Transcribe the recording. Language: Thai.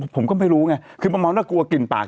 ผมก็ไม่รู้ไงคือประมาณว่ากลัวกลิ่นปาก